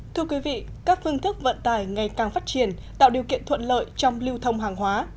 thưa quý vị các phương thức vận tải ngày càng phát triển tạo điều kiện thuận lợi trong lưu thông hàng hóa